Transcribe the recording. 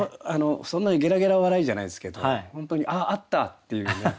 そんなにゲラゲラ笑いじゃないですけど本当に「あっあった」っていうね